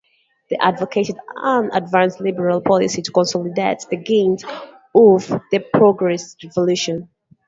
They advocated an advanced liberal policy to consolidate the gains of the bourgeois revolution.